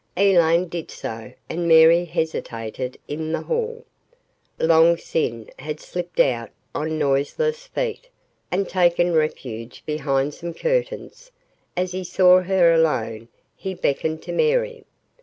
Elaine did so and Mary hesitated in the hall. Long Sin had slipped out on noiseless feet and taken refuge behind some curtains. As he saw her alone, he beckoned to Mary.